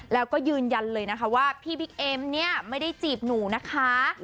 แล้วก็ยืนยันเลยนะคะว่าพี่บิ๊กเอ็มเนี่ยไม่ได้จีบหนูนะคะ